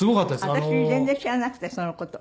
私全然知らなくてその事を。